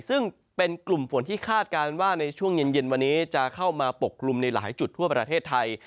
ซึ่งเป็นกลุ่มฝนที่คาดการณ์ว่าในช่วงเย็นวันนี้จะเข้ามาปกกลุ่มในหลายจุดทั่วประเทศไทย